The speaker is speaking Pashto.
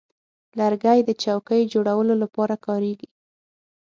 لرګی د چوکۍ جوړولو لپاره کارېږي.